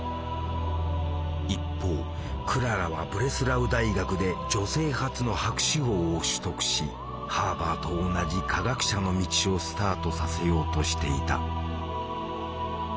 一方クララはブレスラウ大学で女性初の博士号を取得しハーバーと同じ化学者の道をスタートさせようとしていた。